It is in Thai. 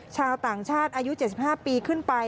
ชาวต่างชาติอายุ๗๕ปีขึ้นไป